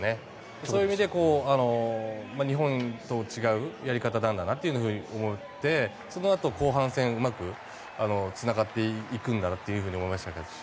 そういう意味で日本と違うやり方なんだなと思って、そのあと後半戦うまくつながっていくんだなと思いましたし